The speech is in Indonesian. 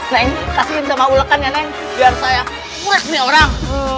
neng kasihin sama ulekan ya neng biar saya uret nih orang